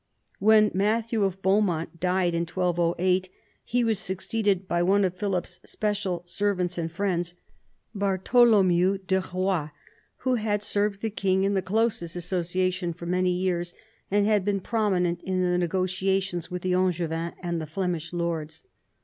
When Matthew of Beaumont died in 1208, he was succeeded by one of Philip's special servants and friends, Bartholomew de Eoie, who had served the king in the closest association for many years, and had been prominent in the negotiations with the Angevins and the Flemish lords.